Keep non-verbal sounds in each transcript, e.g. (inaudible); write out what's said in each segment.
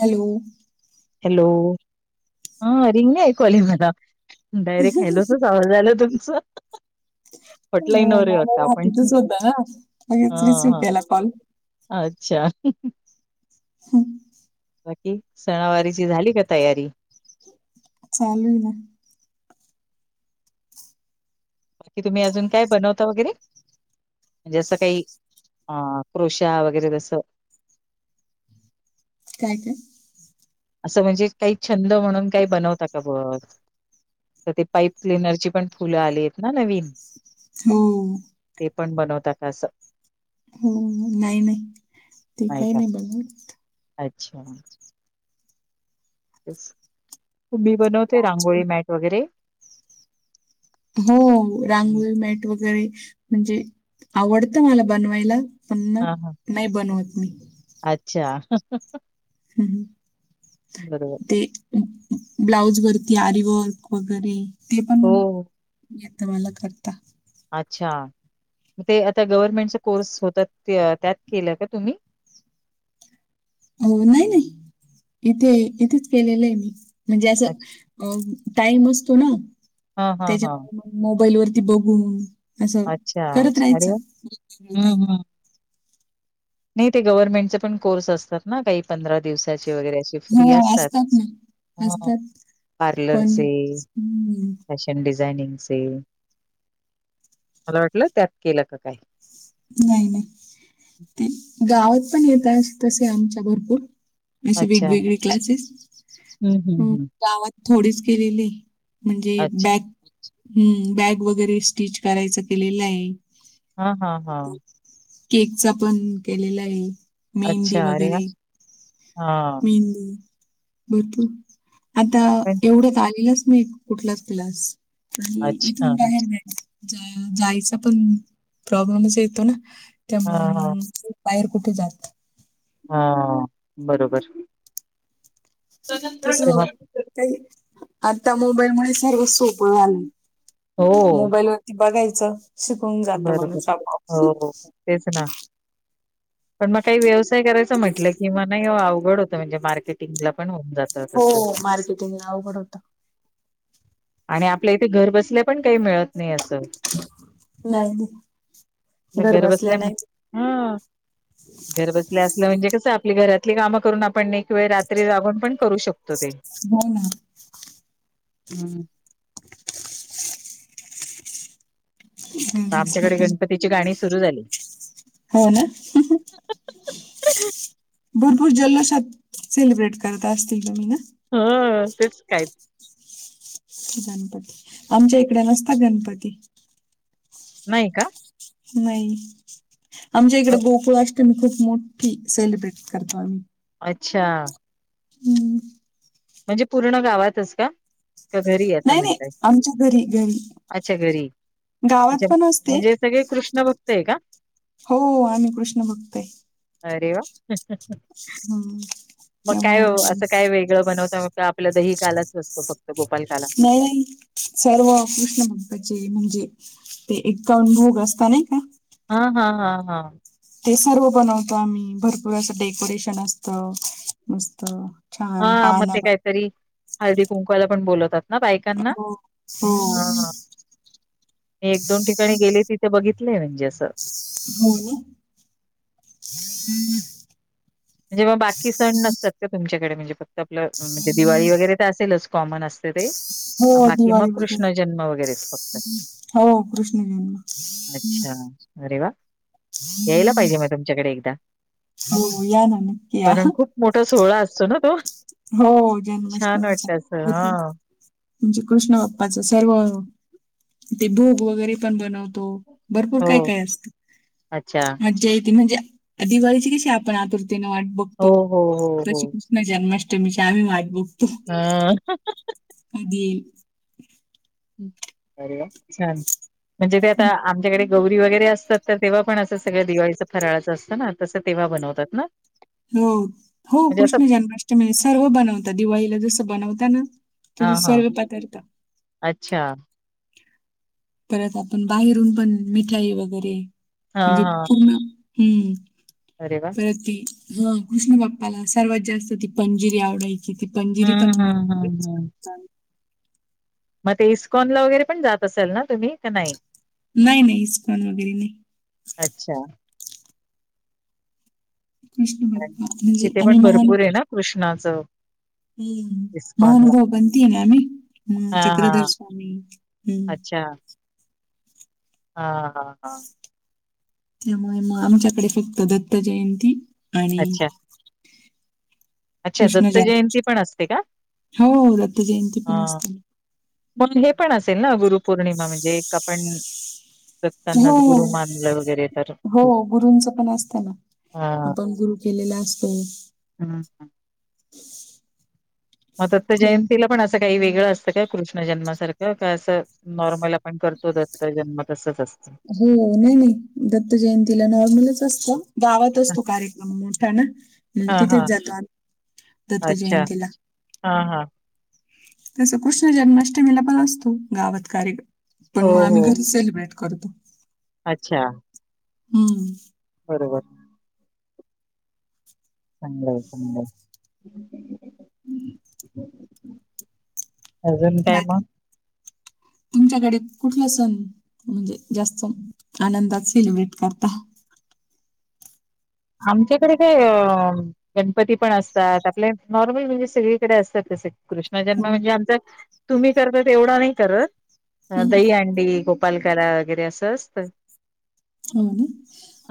Hello. Hello, हा ring नाही ऐकू आली मला. डायरेक्ट हॅलोचाच आवाज आला तुमचा. (unintelligible) हॉटलाईनवर आहे वाटतं आपण होता ना, हा मीच रिसीव हा केला कॉल. अच्छा. हम्. बाकी सणावारीची झाली का तयारी चालू आहे ना. बाकी तुम्ही अजून काय बनवता वगैरे जसं काही अ क्रृशा वगैरे जसं. काय काय? असं म्हणजे काही छंद म्हणून काही बनवता का बघ. तर ते पाईप क्लिनर ची पण फुलं आली आहेत ना नवीन हो. ते पण बनवता का असं हो नाही नाही ते काही नाही बनवत अच्छा मी बनवते रांगोळी मॅट वगैरे हो रांगोळी मेट वगैरे म्हणजे आवडतं मला बनवायला पण हा हा नाही बनवत मी अच्छा हम् ह बरोबर ब्लाऊज वरती आरी वर्क तेंन हो येत मला करता अच्छा ते आता गव्हर्मेंटचा कोर्स होत त्यात केलं का तुम्ही हो नाही नाही इथे इथेच केलेलं आहे मी म्हणजे असं. अच्छा. अ टाईम असतो ना हां, हां, हां. त्याच्यामुळे म मोबाईल वरती बघून असं अच्छा. करत अरे राहायचं. वाह! हं, हं. नाही ते गव्हर्नमेंटचे पण कोर्स असतात ना काही पंधरा दिवस वरे फ्री हो असतात ना असतात पार्लर पण चे हम्म, अशे नी डिझायनिंग चे मला वाटलं त्यात केलं का काय नाही नाही ते गावात पण येत तसे आमच्या भरपूर अे अच्छा. वेगवेगळे क्लासेस हं, हं, हं. गावात थोडीच केलेली म्हणजे अच्छा. बॅग हम्म बॅग वगैरे स्टिच करायचं केलेलं आहे हा हा हा केकचा पण केलेला आहे मेहंदी अच्छा अरे वा वगैरे हा भरपूर आता पण एवढंच आलेलंच नाही कुठलाच क्लास प अच्छा. इथून बाहेर नाही जायचा पण प्रॉब्लेमच येतो ना त्यामुळे हां, हां, मग बाहेर कुठे जात हा बरोबर ते्हा काय आता मोबाईल मुळ सर्व सोपं झालं हो. मोबाईल वरती बघायचं शिकवून जातं मणस बरोबर. हो, तेच ना पण मग काही व्यवसाय करायचं म्हटलं की म नाही अवघड होतं म्हणजे मार्केट पण होऊन जात हो मार्केटिंग अवघड होतं. आणि आपल्या इथे घर बसल्या पण काही मिळत नाही असं.. नाही नाही घर बसल्या नाही हा घर बसल्या असल म्हणजे कसं आपली घरातली कामं करून आपण वेळ रात्री राहून पण करू शकतो ते हो ना हम्म घर बसल्या आमच्याकडे पण गणपतीची गाणी सुरु झाली हो ना भरपूर जल्लोषात सेलिब्रेट करत असतील तुम्ही ना ह तेच काय गणपती आमच्या इकडे नसता गणपती नाही का नाही आमच्या इकड अ गोकुळ अष्टमी मी खूप मोठी सेलिब्रेट करतो आम्ही अच्छा हम्म म्हणजे पूर्ण गावातच का का घरी असं नाही नाही म्हणताय आमच्या घरी घरी अच्छा घरी अच्छा गावात पण असते म्हणजे सगळे कृष्ण भक्त आहे का हो आम्ही कृष्ण भक्तय अरे वा हम मग काय असं काय वेगळं बनवता मग आपल्या दही कालाच असतो फक्त गोपालकाला नाही सर्व कृष्ण महत्वाचे म्हणजे ते एक्कावन भोग असता नाही का हा हा हा हा ते सर्व बनवतो आम्ही भरपूर असं डेकोरेशन असत मस्त हा छान मग पाना ते काहीतरी हळदी कुंकवाला पण बोलतात ना बायकांना हो हो हा मी एक दोन ठिकाणी गेले तिथे बघितलेय म्हणजे असं हो म्हणजेव बाकी सण नसतात का तुमच्याकडे म्हणजे फक्त आपलं म्हणजे दिवाळी वगैरे तर असेलच कॉमन असतात हो बाकी मग दिवाळी वगैरे कृष्ण जन्म वगैरे हो कृष्ण जन्म अच्छा अरे वा यायला पाहिजे मग तुमच्याकडे एकदा हो हो या ना नाही कारण खूप मोठा सोहळा असतो ना तो हो छान जन्माष्टमीचा वाटत असं हा म्हणजे कृष्ण बाप्पाच सर्व ते भूग वगैरे पण बनवतो भरपूर हो काय काय असत अच्छा मज्जा येते म्हणजे दिवाळीची कशी आपण आतुरतीने वाट हो बघतो हो हो हो तशी कृष्ण जन्माष्टमी तुमची आम्ही वाट बघतो हा अगदी छान म्हणजे ते आता आमच्याकडे गौरी वगैरे असतात तर तेव्हा पण असं सगळं दिवाळीचं फराळाचं असतं ना तसं तेव्हा बनवतात ना हो हो म्हणजे असं कृष्ण जन्माष्टमी सर्व बनवता दिवाळीला जसं बनवता ना हा तुझं हा सर्व पदार्थ अच्छा परत आपण बाहेरून पण मिठाई वगैरे हा म्हणजे हा पूर्ण हम्म अरे वा परत ती ह कृष्ण बाप्पाला सर्वात जास्त ती पंजिरीआवडते किती पंजिरी हम्म पण हम्म हम्म हम्म मग ते इस्कॉन ला वगैरे पण जात असेल ना तुम्ही का नाही नाही नाही इस्कॉन वगैरे नाही अच्छा. कृष्ण बाप्पा म्हणजे तिथे आम्ही पण भरपूर महानुभव आहे ना कृष्णाचं हम्म, इस्कॉनला (unintelligible) हम हा हा चक्रधर स्वामी हम्म. अच्छा हा हा हा त्यामुळे मग आमच्याकडे फक्त दत्त जयंती आणि अच्छा अच्छा दत्त जयंती पण असते का? हो दत्त जयंती पण हा. असते ना. मग हे पण असेल ना गुरुपौर्णिमा, म्हणजे एक आपण दत्तांना हो गुरू मानलं‌ वगे हो गुरूंच पण असतं ना. हा. आपण गुरु केलेला असतो. हम्म हम्म. म दत्त जयंतीला पण असं काही वेगळं असतं काय, कृष्ण जन्मासारखं? का असं नॉर्मल आपण करतो दत्त जन्म तसच अस हो, नाही नाही दत्त जयंतीला नॉर्मलच असतं. गावात असतो कार्यक्रम मोठा ना, मग हा हा तिथेच जातो आम्ही, दत्त अच्छा जयंतीला. हा हा. तसं कृष्ण जन्माष्टमीला पण असतो, गावात कारीक पण हो मग हो आम्ही घरी सेलिब्रेट करतो. अच्छा. हम्म बरोबर. चांगलय चांगलय. अजून काय म? बाकी तुमच्याकडे कुठला सण म्हणजे जास्त आनंदात सेलिब्रेट करता? आमच्याकडे काय अ गणपती पण असतात, आपले नॉर्मल म्हणजे सगळीकडे असतात तसे. कृष्णजन्म हो म्हणजे आमच्यात, तुम्ही करता तेवढा नाही करत, हम्म. दहीहंडी गो पालकाला वगैरे असं असतं. हम्म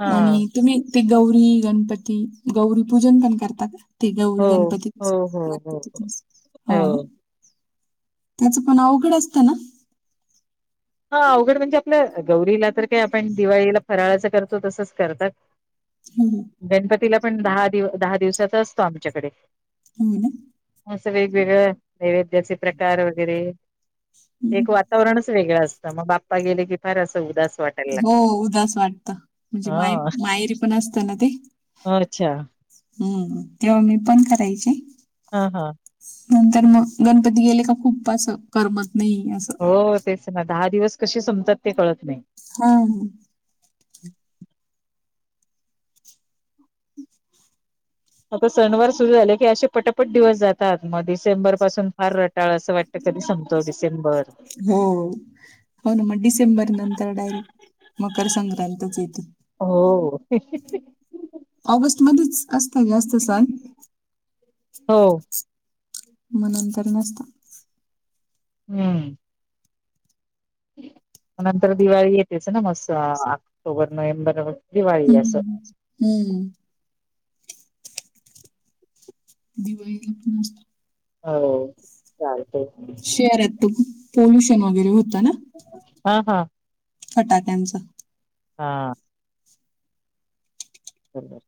हा आणि तुम्ही ते गौरी, गणपती, गौरी पूजन पण करता का? ते गौरी, हो गणपती हो हो हो गणपतीच हो ना. त्यांचं पण अवघड असतं ना? हा अवघड म्हणजे आपलं, गौरीला तर काय आपण दिवाळीला फराळाच करतो तसंच करतात. हम्म गणपतीला पण दहा दिव दहा दिवसाचा असतो आमच्याकडे. होय ना. असं वेगवेगळं, नैवेद्याचे प्रकार वगैरे हम्म. एक वा तावरणच वेगंळ असतं, मग बाप्पा गेले की फार असं उदास वाट हो उदास वाटतं, म्हणजे माय‌ हा मायरी पण असत ना ते. अच्छा हम्म, तेव्हा मी पण करायची. हा हा, नंतर मग गणपती गेले का खूप आस करमत नाही असं. हो तेच ना, दहा दिवस कशे संपतात ते कळत नाही. हा, आता सणवार सुरू झाले की असे पटापट दिवस जातात, मग डिसेंबर पासून फार रटाळ असं वाट त कधी संपतो डिसेंबर. हो. हो न म डिसेंबर नंतर डायरेक्ट मकर संक्रांतच येते. हो, ऑगस्ट मध्येच असतं जास्त सण. हो मनंतर नसत. हम्म, नंतर दिवाळी येतेच, ना मस् ऑक्टोबर, नोव्हेंबर दिवाळी असं. हम्म हम्म, दिवाळी घप न असतो. होय, चालतय. शहरात तुप, पोल्युशन वगैरे होतं ना. हा हा फटाक्यांचं. हा बरोबर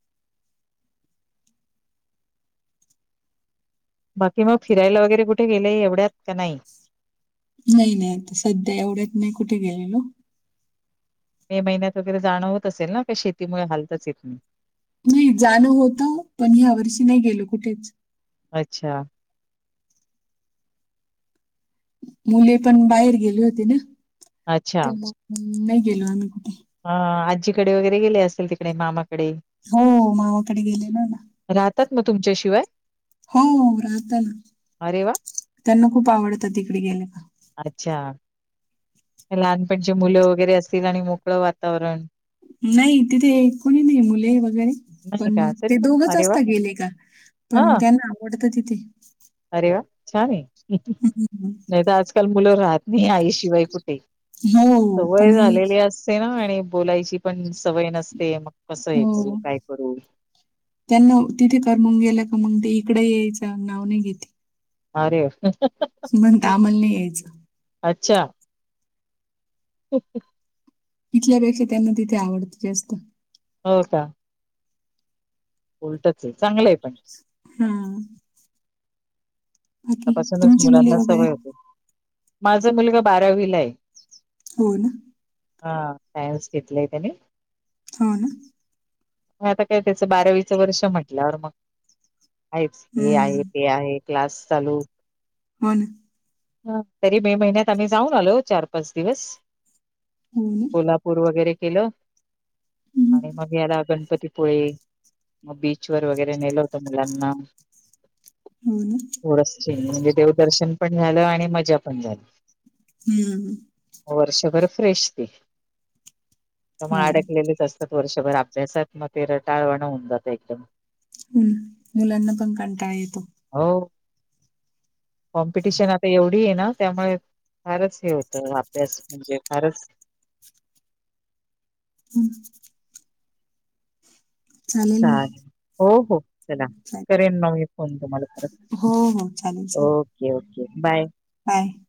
बाकी मग फिरायला वगैरे कुठे गेले एवढ्यात का नाही. नाही नाही आता सध्या एवढ्यात नाही कुठे गेलेलो. मे महिन्यात वगैरे जाणं होत असेल ना का शेतीमुळे हालच येत नाही. नाही जाणं होत पण या्या वर्षी नाही गेलो कुठेच अच्छा मुले पण बाहेर गेली होती ना अच्छा त्यामुळे नाही गेलो आम्ही कुठे हा आजीकडे वगैरे गेले असतील तिकडे मामाकडे हो मावाकडे गेले ना ना राहतात मग तुमच्याशिवाय हो, राहत ना,, अरे वा त्यांना खूप आवडतं तिकडे गेल्या का अच्छा, लहानपणची मुलं वगैरे असतील, आणि मोकळ वातावरण. नाही, तिथे कोणी नाही, मुले वगैरे, नाही पण का मग तरी ते पण दोघच अरे वा! असत गेले का? पण हां, त्यांना आवडतं तिथे अरे वा छान आहे. हम आजकाल मुलं राहत नाही आईशिवाय कुठे हो, पण सवय ही झालेली अस. ना आणि बोलायची पण सवय नसते मग कसं हे करू हो. काय करू. त्यांना तिथे करमून गेला का मगते इकडे यायचं नाव नाही घेत. हरे बणता आमल नाही यायचं. अच्छा ओके इथल्यापेक्षा त्यांना तिथे आवडत जास्त हो का? उलटच चांगलं आहे पण हम्म तपासूनच तुमची मुले मुलांना वगैरे सवय होते माझा मुलगा बारावीला आहे. हो ना हा सायन्स घेतलेय त्यानी होा ना म आता काय त्याचं बारावीचं वर्ष म्हटल्यावर मग हे आहे हम्म. ते आहे क्लास चालू. वन ह तरी मे महिन्यात आम्ही जाऊन आलो चार पाच दिवस हो ना. को्हापूर वगैरे केलं आणि हम्म. मग याला गणपतीपुळे. मग बीच वर वगैरे नेलं होतं मुलांना हम थोडस चेंज म्हणजे देवदर्शन पण झालं आणि मजा पण झाली हम्म वर्षभर फ्रेश त ते मग हो अडकलेलीच असते वर्षभर अभ्यासात मग ते रटाळवाण होऊन जातं एकदम मुलांना पण कंटाळा येतो हो कॉम्पिटिशन आता एवढी आहे ना त्यामुळे फारच हे होतं अभ्यास म्हणजे फारच हम् चालेल हो हो चला चालेल करेन मग मी फोन तुम्हाला परत हो हो चालेल चालेल ओके ओके बाय काय